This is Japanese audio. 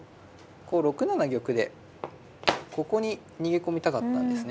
こう６七玉でここに逃げ込みたかったんですね。